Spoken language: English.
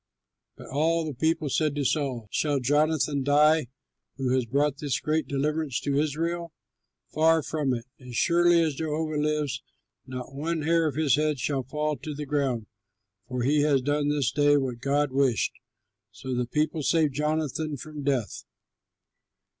But all the people said to Saul, "Shall Jonathan die who has brought this great deliverance to Israel? Far from it! As surely as Jehovah lives, not one hair of his head shall fall to the ground, for he has done this day what God wished." So the people saved Jonathan from death.